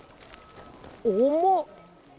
重っ！